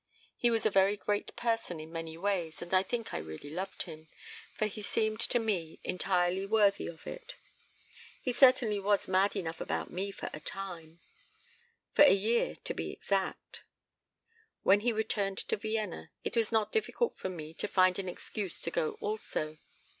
He was a very great person in many ways, and I think I really loved him, for he seemed to me entirely worthy of it. He certainly was mad enough about me for a time for a year, to be exact. When he returned to Vienna it was not difficult for me to find an excuse to go also.